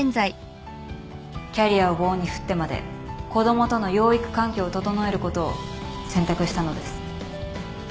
キャリアを棒に振ってまで子供との養育環境を整えることを選択したのです。